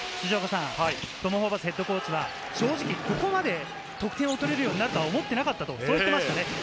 トム・ホーバスＨＣは正直ここまで得点を取れるようになると思っていなかったと言っていましたね。